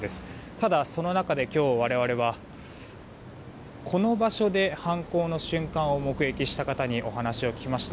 ただその中で今日、我々はこの場所で犯行の瞬間を目撃した方にお話を聞きました。